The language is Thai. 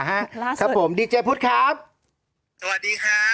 ล่าสุดครับผมดีเจพุธครับสวัสดีครับ